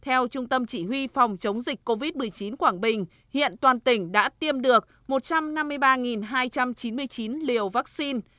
theo trung tâm chỉ huy phòng chống dịch covid một mươi chín quảng bình hiện toàn tỉnh đã tiêm được một trăm năm mươi ba hai trăm chín mươi chín liều vaccine